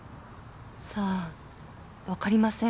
さあわかりません。